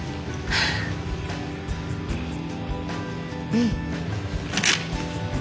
うん。